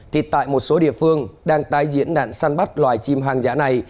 thì tại một số địa phương đang tái diễn nạn săn bắt loài chim hoang dã này